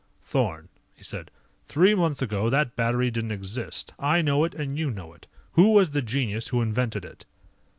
"Thorn," he said, "three months ago that battery didn't exist. I know it and you know it. Who was the genius who invented it?"